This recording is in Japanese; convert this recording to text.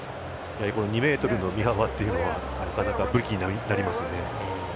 ２ｍの身幅はなかなか武器になりますね。